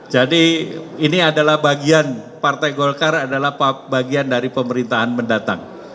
jadi ini adalah bagian partai golkar adalah bagian dari pemerintahan mendatang